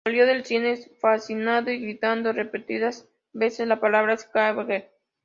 Salió del cine fascinado y gritando repetidas veces la palabra "Schwarzenegger".